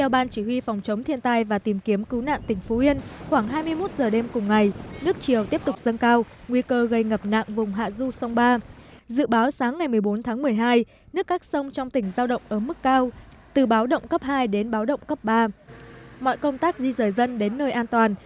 ban chỉ đạo phòng chống thiên tai và tìm kiếm cứu nạn tỉnh phú yên cho biết để giảm thiểu lượng lũ đổ về hạ du đột ngột gây thiệt hại lớn tỉnh đã đề nghị chủ các hồ thủy điện sông hinh sông ba hạ điều tiết xả lũ theo hướng giảm dần nếu trời không mưa